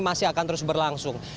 masih akan terus berlangsung